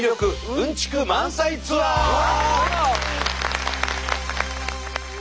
うんちく満載ツアー対決。